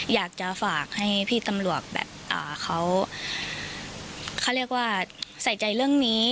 อยากจะฝากให้พี่ตำรวจแบบเขาเรียกว่าใส่ใจเรื่องนี้